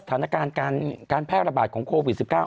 สถานการณ์การแพร่ระบาดของโควิด๑๙